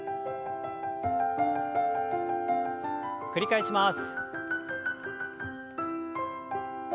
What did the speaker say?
繰り返します。